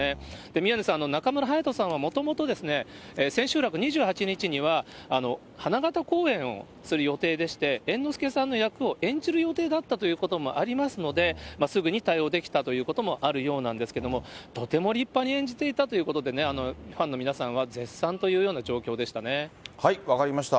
宮根さん、中村隼人さんはもともと千秋楽２８日には花形公演をする予定でして、猿之助さんの役を演じる予定だったということもありますので、すぐに対応できたということもあるようなんですけども、とても立派に演じていたということでね、ファンの皆さんは、分かりました。